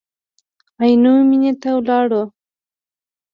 عینو مېنې ته ولاړو.